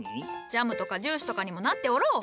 ジャムとかジュースとかにもなっておろう！